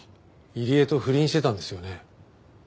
入江と不倫してたんですよね？